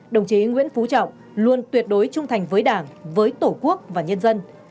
đồng chí nguyễn phú trọng luôn tuyệt đối trung thành với đảng với tổ quốc và nhân dân